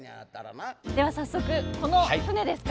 では早速この船ですか。